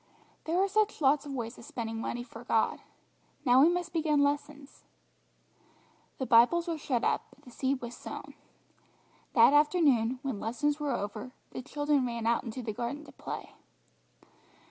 There are such lots of ways of spending money for God. Now we must begin lessons." The Bibles were shut up, but the seed was sown. That afternoon, when lessons were over, the children ran out into the garden to play.